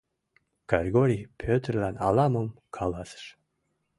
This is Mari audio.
Кыргорий Пӧтырлан ала-мом каласыш.